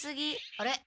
あれ？